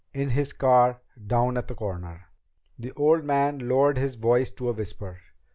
In his car down at the corner." The old man lowered his voice to a whisper.